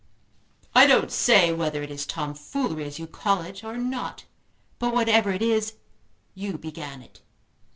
"I don't say whether it is tomfoolery, as you call it, or not; but whatever it is, you began it."